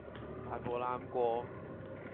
大步揇過!